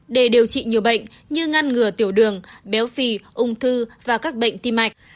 để điều trị nhiều bệnh như ngăn ngừa tiểu đường béo phì ung thư và các bệnh tim mạch